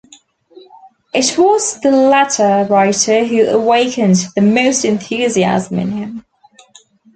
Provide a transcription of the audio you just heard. It was the latter writer who awakened the most enthusiasm in him.